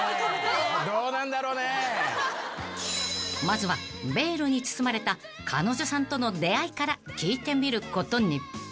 ［まずはベールに包まれた彼女さんとの出会いから聞いてみることに］